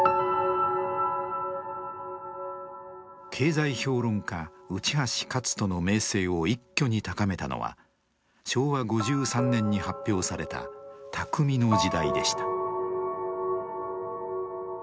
経済評論家内橋克人の名声を一挙に高めたのは昭和５３年に発表された「匠の時代」でした。